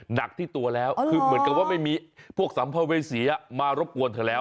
หนักที่ตัวแล้วคือเหมือนกับว่าไม่มีพวกสัมภเวษีมารบกวนเธอแล้ว